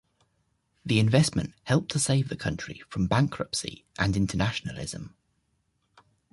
The investment helped to save the country from bankruptcy and internationalism.